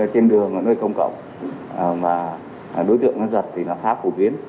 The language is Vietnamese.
trên đường ở nơi công cộng đối tượng giật thì khá phổ biến